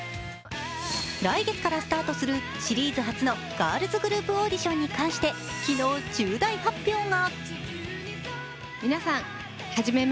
来月からスタートするシリーズ初のガールズグループオーディションに関して昨日、重大発表が。